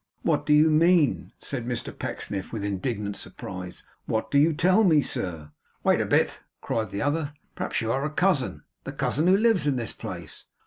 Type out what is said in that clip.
'What do you mean?' said Mr Pecksniff, with indignant surprise. 'What do you tell me, sir?' 'Wait a bit!' cried the other, 'Perhaps you are a cousin the cousin who lives in this place?